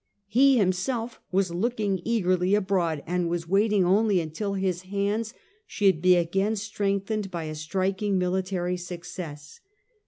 He him self was looking eagerly abroad, and was waiting only until his hands should be again strengthened by a striking military success.